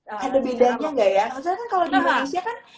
ada bedanya gak ya